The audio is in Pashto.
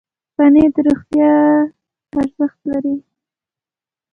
پنېر د روغتیا ارزښت لري.